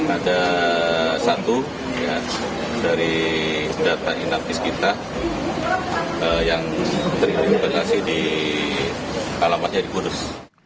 ada satu dari data inavis kita yang teridentifikasi di alamatnya di kudus